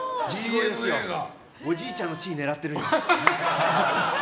おじいちゃんの地位狙ってる。